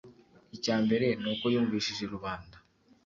icya mbere ni uko yumvishije rubanda